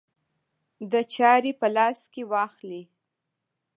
د چارې په لاس کې واخلي.